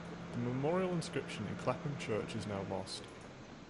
The memorial inscription in Clapham church is now lost.